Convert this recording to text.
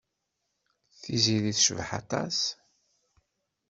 Tiziri tecbeḥ aṭas.